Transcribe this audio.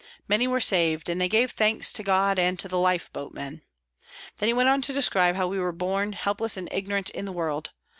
Many were saved, and they gave thanks to God and to the lifeboat men. Then he went on to describe how we were born, helpless and ignorant, in the world.